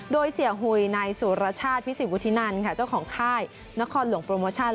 โดยเสียหุยนายสุรชาติพิสิทวุฒินันค่ะเจ้าของค่ายนครหลวงโปรโมชั่น